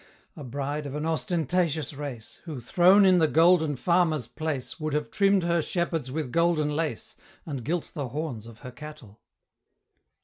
A bride of an ostentatious race, Who, thrown in the Golden Farmer's place, Would have trimm'd her shepherds with golden lace, And gilt the horns of her cattle.